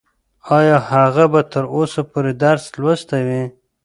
ايا هغه به تر اوسه پورې درس لوستلی وي؟